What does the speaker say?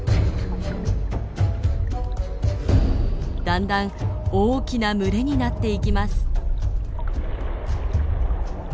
だんだん大きな群れになっていきます。